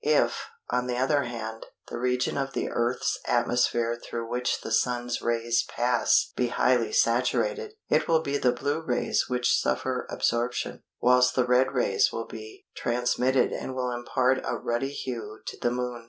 If, on the other hand, the region of the Earth's atmosphere through which the Sun's rays pass be highly saturated, it will be the blue rays which suffer absorption, whilst the red rays will be transmitted and will impart a ruddy hue to the Moon.